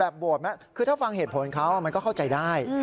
โหวตไหมคือถ้าฟังเหตุผลเขามันก็เข้าใจได้